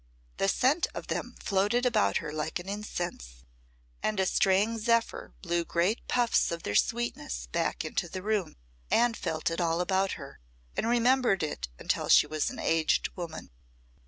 The scent of them floated about her like an incense, and a straying zephyr blew great puffs of their sweetness back into the room. Anne felt it all about her, and remembered it until she was an aged woman.